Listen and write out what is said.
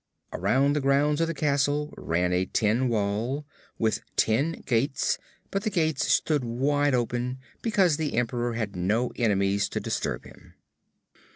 Around the grounds of the castle ran a tin wall, with tin gates; but the gates stood wide open because the Emperor had no enemies to disturb him.